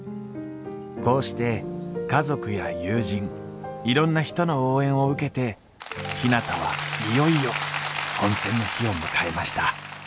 こうして家族や友人いろんな人の応援を受けてひなたはいよいよ本選の日を迎えました